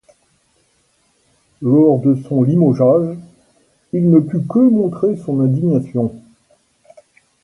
Lors de son limogeage, il ne put que montrer son indignation.